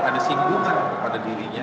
ada singgungan kepada dirinya